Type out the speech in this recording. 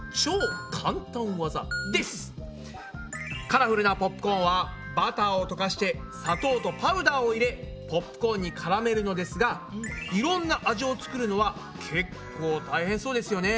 カラフルなポップコーンはバターをとかして砂糖とパウダーを入れポップコーンにからめるのですがいろんな味を作るのはけっこう大変そうですよね。